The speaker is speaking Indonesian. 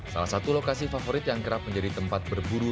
salah satu lokasi favorit yang kerap menjadi tempat berburu